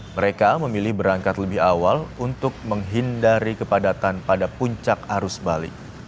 mereka memilih berangkat lebih awal untuk menghindari kepadatan pada puncak arus balik